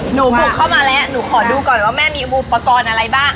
บุกเข้ามาแล้วหนูขอดูก่อนว่าแม่มีอุปกรณ์อะไรบ้าง